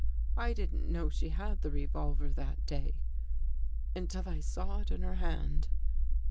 I didn't know she had the revolver that day, until I saw it in her hand.